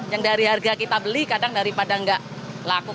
yang dari harga kita beli kadang daripada nggak laku